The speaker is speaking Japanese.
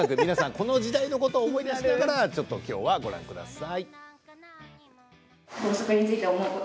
この時代のことを思い出しながらきょうはご覧ください。